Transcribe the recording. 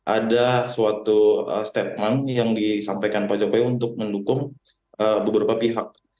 ada suatu statement yang disampaikan pak jokowi untuk mendukung beberapa pihak